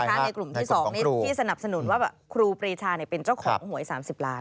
ในกลุ่มที่๒ที่สนับสนุนว่าครูปรีชาเป็นเจ้าของหวย๓๐ล้าน